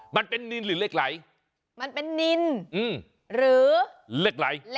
มันเป็นนินหรือเหล็กไหลมันเป็นนินหรือเหล็กไหล